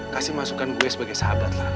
kasih masukan gue sebagai sahabat lah